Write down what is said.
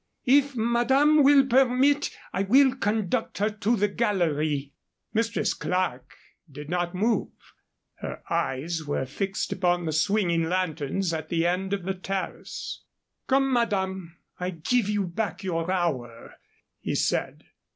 If madame will permit, I will conduct her to the gallery." Mistress Clerke did not move. Her eyes were fixed upon the swinging lanterns at the end of the terrace. "Come, madame, I give you back your hour," he said.